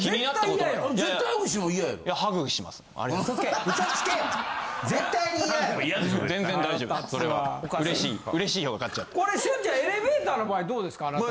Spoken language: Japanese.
これ俊ちゃんエレベーターの場合どうですかあなた？